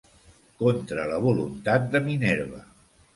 Contra la voluntat de Minerva.